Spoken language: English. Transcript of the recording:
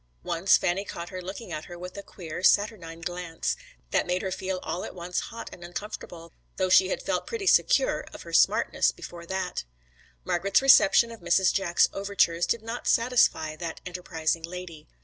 Once Fanny caught her looking at her with a queer saturnine glance, that made her feel all at once hot and uncomfortable, though she had felt pretty secure of her smartness before that. Margret's reception of Mrs. Jack's overtures did not satisfy that enterprising lady.